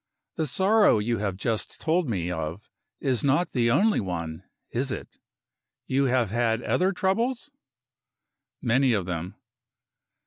The sorrow you have just told me of is not the only one is it? You have had other troubles?" "Many of them."